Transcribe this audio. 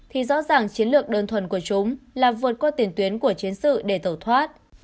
thì rõ ràng chiến lược đơn thuần của chúng là vượt qua tiền tuyến của chiến sự để tẩu thoát